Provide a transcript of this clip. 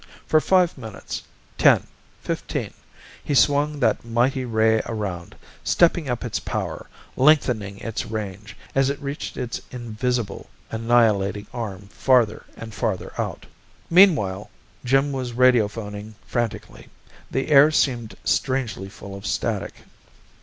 For five minutes ten, fifteen he swung that mighty ray around, stepping up its power, lengthening its range, as it reached its invisible, annihilating arm farther and farther out.... Meanwhile Jim was radio phoning frantically. The air seemed strangely full of static.